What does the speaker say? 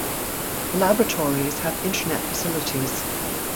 The laboratories have Internet facilities.